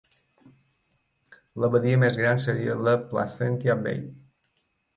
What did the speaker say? La badia més gran seria la Placentia Bay.